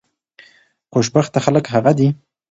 خوشبخته خلک هغه دي